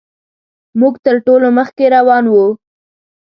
موږ تر ټولو مخکې روان وو.